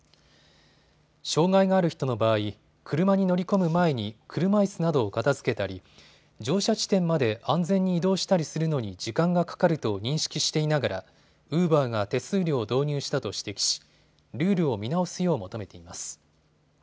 障害がある人の場合、車に乗り込む前に車いすなどを片づけたり乗車地点まで安全に移動したりするのに時間がかかると認識していながらウーバーが手数料を導入したと指摘しルールを見直すよう求めています。